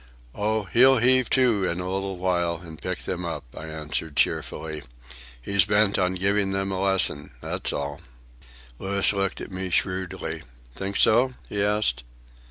"Oh, he'll heave to in a little while and pick them up," I answered cheerfully. "He's bent upon giving them a lesson, that's all." Louis looked at me shrewdly. "Think so?" he asked.